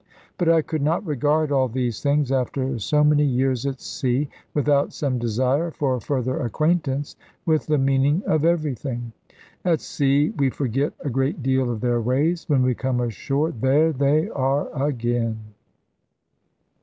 But I could not regard all these things, after so many years at sea, without some desire for further acquaintance with the meaning of everything. At sea we forget a great deal of their ways. When we come ashore there they are again!